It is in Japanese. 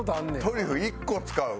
トリュフ１個使う。